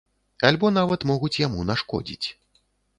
Альбо нават могуць яму нашкодзіць.